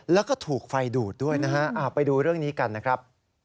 แล้วก็ถูกไฟดูดด้วยนะฮะไปดูเรื่องนี้กันนะครับ